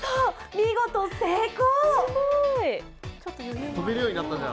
見事成功！